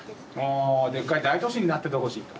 あでっかい大都市になっててほしいと。